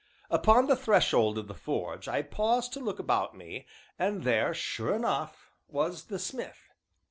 Upon the threshold of the forge I paused to look about me, and there, sure enough, was the smith.